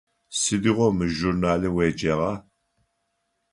Сыдигъо мы журналым уеджагъа?